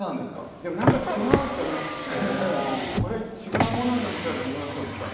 でも何か違うって思って「これ違うものになっちゃう自分」って思ったの。